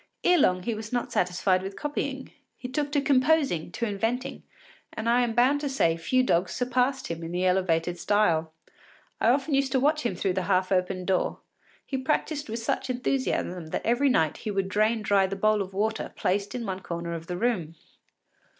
Ere long he was not satisfied with copying; he took to composing, to inventing, and I am bound to say few dogs surpassed him in the elevated style. I often used to watch him through the half open door; he practised with such enthusiasm that every night he would drain dry the bowl of water placed in one corner of the room.